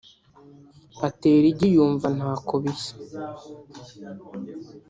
atera igi yumva ntako bias